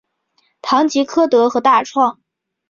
唐吉柯德和大创